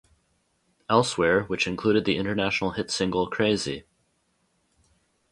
Elsewhere", which included the international hit single "Crazy".